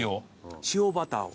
塩バターを。